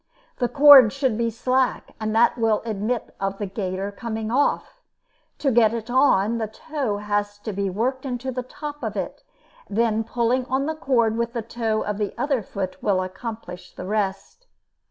The cord should be slack, and that will admit of the gaiter coming off. To get it on, the toe has to be worked into the top of it, and then pulling on the cord with the toe of the other foot will accomplish the rest.